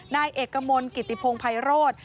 นายเอกมลกิติพงภัยโรธ